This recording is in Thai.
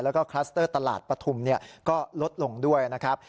แล้วก็คลัสเตอร์ตลาดปฐุมก็ลดลงด้วยนะครับ